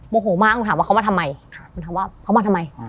โมโหมากหนูถามว่าเขามาทำไมหนูถามว่าเขามาทำไม